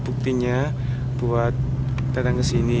buktinya buat datang ke sini